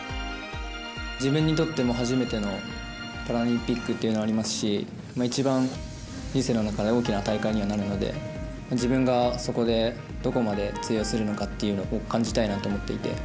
自分にとっても初めてのパラリンピックというのがありますし一番人生の中で大きな大会にはなるので自分がそこでどこまで通用するのかを感じたいなと思っていて。